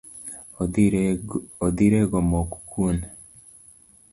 Odhi rego mok kuon.